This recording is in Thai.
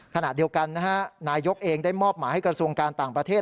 ขณะเดียวกันนะฮะนายกเองได้มอบหมายให้กระทรวงการต่างประเทศ